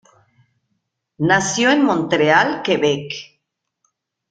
Nació en Montreal, Quebec.